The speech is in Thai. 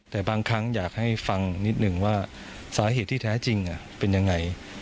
แต่บางครั้งอยากให้ฟังนิดหนึ่งว่าสาเหตุที่แท้จริงเป็นยังไง